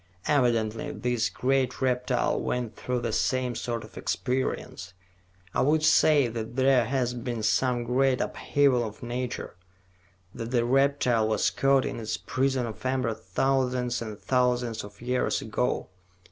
Evidently this great reptile went through the same sort of experience. I would say that there has been some great upheaval of nature, that the reptile was caught in its prison of amber thousands and thousands of years ago.